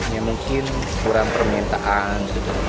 ini mungkin kurang permintaan